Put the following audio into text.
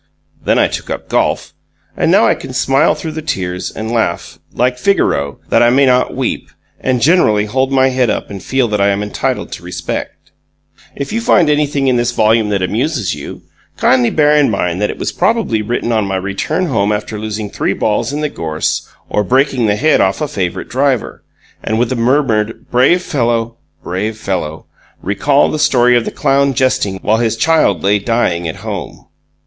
Then I took up golf, and now I can smile through the tears and laugh, like Figaro, that I may not weep, and generally hold my head up and feel that I am entitled to respect. If you find anything in this volume that amuses you, kindly bear in mind that it was probably written on my return home after losing three balls in the gorse or breaking the head off a favourite driver: and, with a murmured "Brave fellow! Brave fellow!" recall the story of the clown jesting while his child lay dying at home.